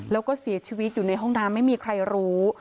แล้วก็เสียชีวิตอยู่ในห้องน้ำไม่มีใครรู้